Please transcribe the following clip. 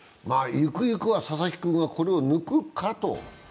ゆくゆくは佐々木君はこれを抜くかと。